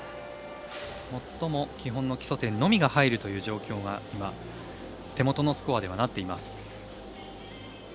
最も基本の基礎点のみが入るという状況が、今手元のスコアではなっています。